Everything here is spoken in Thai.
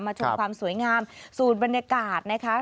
ชมความสวยงามสูตรบรรยากาศนะคะ